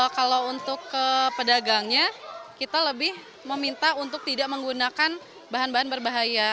kalau untuk pedagangnya kita lebih meminta untuk tidak menggunakan bahan bahan berbahaya